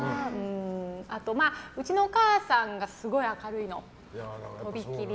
あと、うちのお母さんがすごい明るいの、飛び切り。